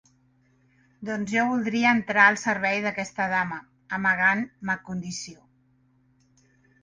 Doncs jo voldria entrar al servei d’aquesta dama, amagant ma condició.